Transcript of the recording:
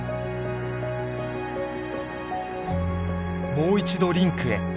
もう一度リンクへ。